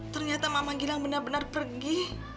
ternyata mama gilang benar benar pergi